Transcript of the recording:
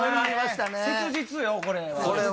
切実よ、これは。